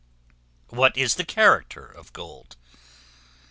What is the character of Gold?